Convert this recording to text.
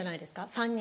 ３人。